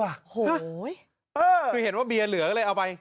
โอ้โหคือเห็นว่าเบียร์เหลือเลยเอาไป